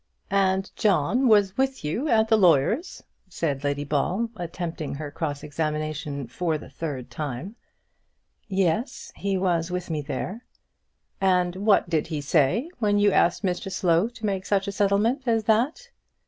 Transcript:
"And John was with you at the lawyer's," said Lady Ball, attempting her cross examination for the third time. "Yes; he was with me there." "And what did he say when you asked Mr Slow to make such a settlement as that?"